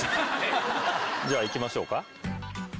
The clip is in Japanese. じゃあいきましょうか。